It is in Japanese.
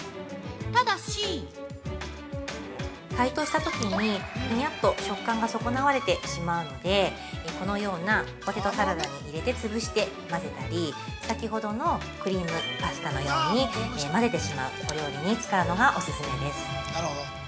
ただし◆解凍したときに、ふにゃっと食感が損なわれてしまうので、このようなポテトサラダに入れて潰して混ぜたり先ほどのクリームパスタのように混ぜてしまうお料理に使うのがオススメです。